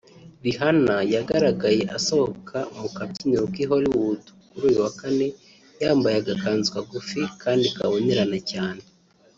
Rihanna yagaragaye asohoka mu kabyiniro k’i Hollywood kuri uyu wa Kane yambaye agakanzu kagufi kandi kabonerana cyane